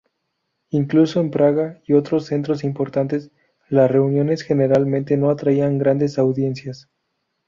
Incluso en Praga y otros centros importantes, las reuniones generalmente no atraían grandes audiencias.